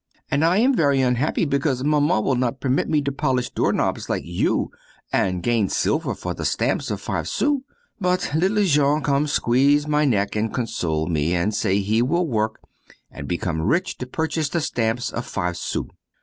And I am very unhappy because Maman will not permit me to polish door knobs like you and gain silver for the stamps of five sous. But little Jean come squeeze my neck and console me, and say he will work and become rich to purchase the stamps of five sous.